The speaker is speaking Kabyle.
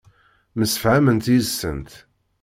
Msefhament yid-sent.